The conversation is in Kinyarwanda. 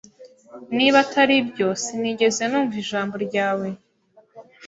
Niba atari byo sinigeze numva ijambo ryawe